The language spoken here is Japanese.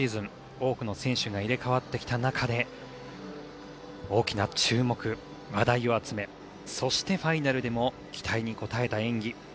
多くの選手が入れ替わってきた中で大きな注目、話題を集めそしてファイナルでも期待に応えた演技。